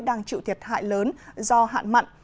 đang chịu thiệt hại lớn do hạn mặn